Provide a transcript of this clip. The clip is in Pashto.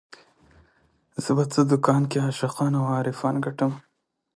زه په څه دکان کې عاشقان او عارفان ګټم